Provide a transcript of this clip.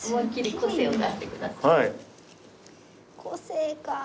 個性か。